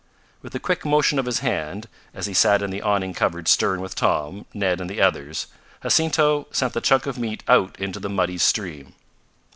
With a quick motion of his hand, as he sat in the awning covered stern with Tom, Ned and the others, Jacinto sent the chunk of meat out into the muddy stream.